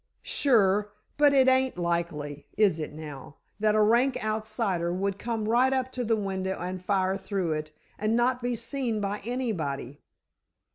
"Sure. But it ain't likely, is it now, that a rank outsider would come right up to the window and fire through it, and not be seen by anybody?"